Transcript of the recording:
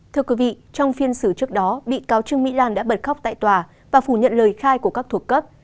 thưa quý vị trong phiên xử trước đó bị cáo trương mỹ lan đã bật khóc tại tòa và phủ nhận lời khai của các thuộc cấp